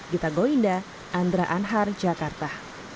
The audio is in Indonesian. gita gowinda andra anhar jakarta